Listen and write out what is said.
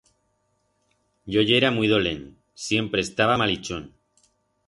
Yo yera muy dolent... Siempre estaba malichón.